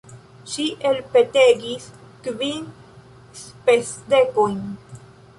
Ŝi elpetegis kvin spesdekojn.